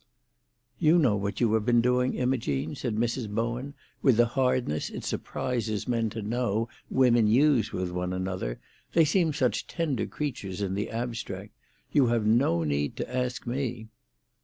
"You know what you have been doing, Imogene," said Mrs. Bowen, with the hardness it surprises men to know women use with each other, they seem such tender creatures in the abstract. "You have no need to ask me."